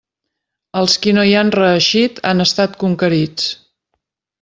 Els qui no hi han reeixit han estat conquerits.